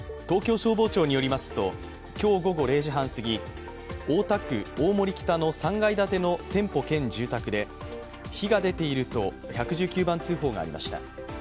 東京消防庁によりますと、今日午後０時半すぎ大田区大森北の３階建ての店舗兼住宅で火が出ていると１１９番通報がありました。